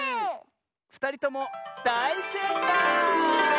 ふたりともだいせいかい！